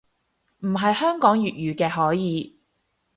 唔係香港粵語嘅可以